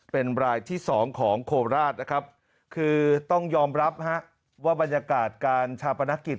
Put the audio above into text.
เป็นรายที่๒ของโคราชนะครับคือต้องยอมรับว่าบรรยากาศการชาปนกิจ